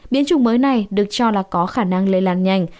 biến chủng mới này được cho là có khả năng lây lan nhanh